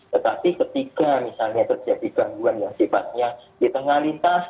tetapi ketika misalnya terjadi gangguan yang sifatnya di tengah lintas